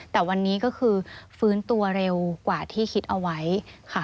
แต่วันนี้ก็คือฟื้นตัวเร็วกว่าที่คิดเอาไว้ค่ะ